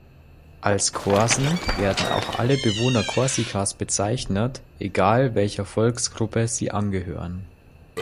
Als Korsen werden auch alle Bewohner Korsikas bezeichnet, egal welcher Volksgruppe sie angehören.